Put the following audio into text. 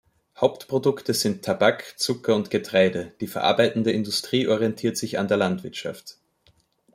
Hauptprodukte sind Tabak, Zucker und Getreide, die verarbeitende Industrie orientiert sich an der Landwirtschaft.